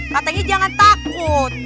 katanya jangan takut